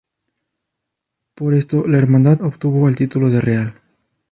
Por esto, la hermandad obtuvo el título de real.